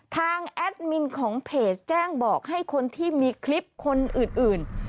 แอดมินของเพจแจ้งบอกให้คนที่มีคลิปคนอื่น